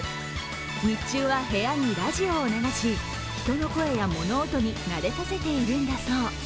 日中は部屋にラジオを流し、人の声や物音に慣れさせているんだそう。